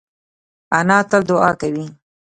انا تل دعا کوي